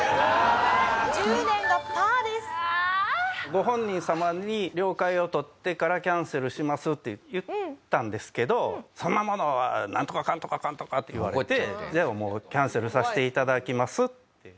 ご本人様に了解を取ってからキャンセルしますって言ったんですけどそんなものはナントカカントカカントカ！って言われてじゃあもうキャンセルさせて頂きますって。